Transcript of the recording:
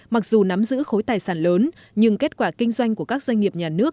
mặc dù nắm giữ khối tài sản lớn nhưng kết quả kinh doanh của các doanh nghiệp nhà nước